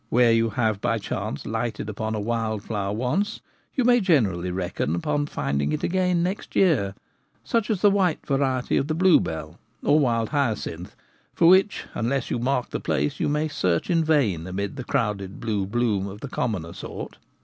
Where you have by chance lighted upon a wild flower once you may generally reckon upon finding it again next year — such as the white variety of the bluebell or wild hyacinth, for which, unless you mark the place, you may search in vain amid the crowded blue bloom of the commoner sort.